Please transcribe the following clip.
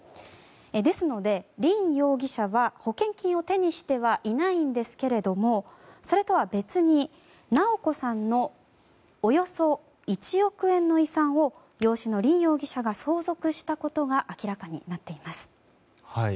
ですので、凜容疑者は保険金を手にしてはいないんですけれどもそれとは別に直子さんのおよそ１億円の遺産を養子の凜容疑者が相続したことが明らかになっています。